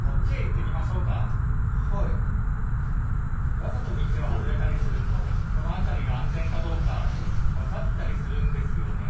わざと道を外れたりするとこの辺りが安全かどうか分かったりするんですよねぇ。